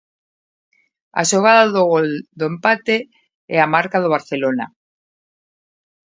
A xogada do gol do empate é a marca do Barcelona.